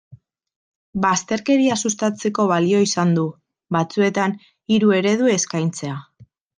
Bazterkeria sustatzeko balio izan du, batzuetan, hiru eredu eskaintzea.